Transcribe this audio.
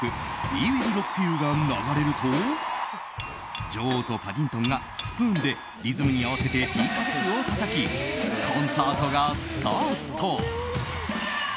「ウィ・ウィル・ロック・ユー」が流れると女王とパディントンがスプーンでリズムに合わせてティーカップをたたきコンサートがスタート。